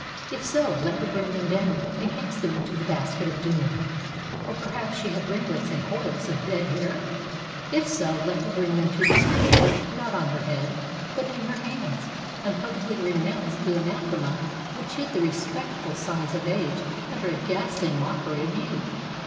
If so, let her bring them down and cast them into the basket of doom. Or, perhaps, she had ringlets and coils of "dead hair"? If so, let her bring them to the street door, not on her head, but in her hands, and pubUcly renounce the Anathema which hid the respect able signs of age under a ghastly mockery of youth.